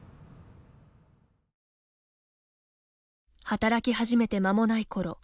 働き始めて間もないころ